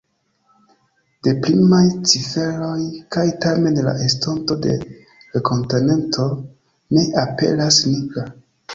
Deprimaj ciferoj, kaj tamen la estonto de l’ kontinento ne aperas nigra.